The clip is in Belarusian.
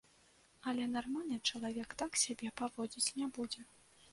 Але нармальны чалавек так сябе паводзіць не будзе.